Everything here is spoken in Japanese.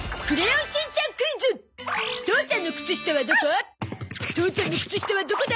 父ちゃんのくつ下はどこだ？